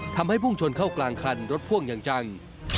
พุ่งชนเข้ากลางคันรถพ่วงอย่างจัง